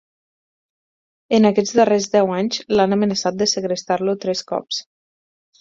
En aquests darrers deu anys l'han amenaçat de segrestar-lo tres cops.